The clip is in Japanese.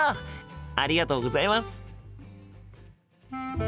ありがとうございます。